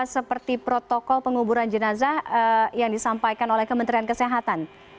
seperti protokol penguburan jenazah yang disampaikan oleh kementerian kesehatan